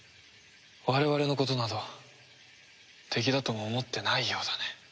我々のことなど敵だとも思ってないようだね。